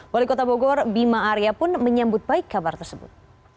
wali kota bogor bima arya pun menyambut baik kabar tersebut